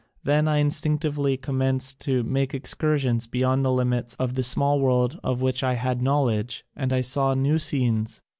Then I in stinctively commenced to make excursions beyond the limits of the small world of which I had knowledge, and I saw new scenes.